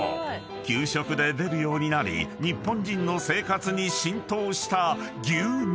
給食で出るようになり日本人の生活に浸透した］